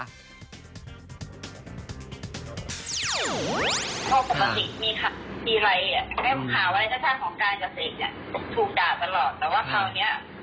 รู้สึกว่ามีกำลังใจขึ้นแล้วก็ขอบคุณทุกคนที่ให้กำลังใจพิเศษ